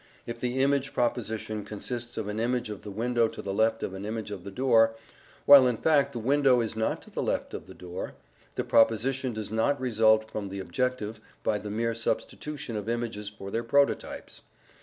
If the image proposition consists of an image of the window to the left of an image of the door, while in fact the window is not to the left of the door, the proposition does not result from the objective by the mere substitution of images for their prototypes.